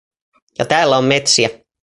Ja täällä on metsiä.